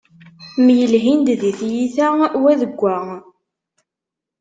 Myelhin-d di tyita wa deg wa.